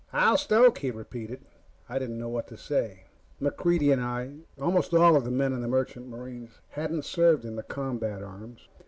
"I'll stoke," he repeated. I didn't know what to say. MacReidie and I almost all of the men in the Merchant Marine hadn't served in the combat arms.